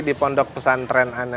di pondok pesantren